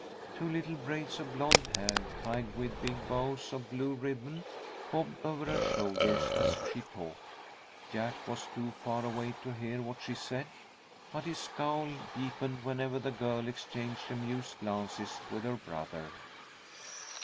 Two little braids of blond hair, tied with big bows of blue ribbon, bobbed over her shoulders as she talked. Jack was too far away to hear what she said, but his scowl deepened whenever the girl exchanged amused glances with her brother.